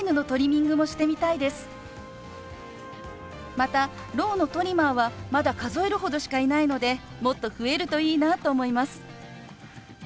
またろうのトリマーはまだ数えるほどしかいないのでもっと増えるといいなと思います。